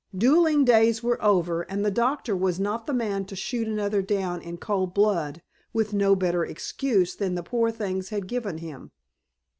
Duelling days were over, and the doctor was not the man to shoot another down in cold blood, with no better excuse than the poor things had given him.